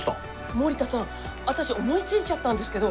森田さんあたし思いついちゃったんですけど